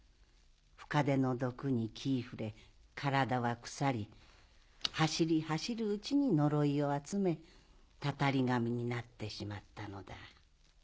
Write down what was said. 深手の毒に気ぃふれ体は腐り走り走るうちに呪いを集めタタリ神になってしまったのだ。